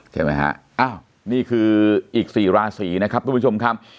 ใช่ไหมฮะอ้าวนี่คืออีก๔ราศีนะครับทุกผู้ชมครับ